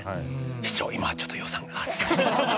「市長、今ちょっと予算が」。